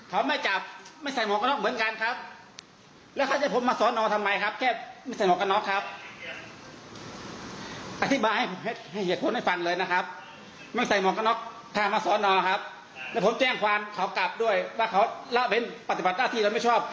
เอาคู่ดูจะพูดก็ไปเลยครับคุณจะพูดอะไรครับ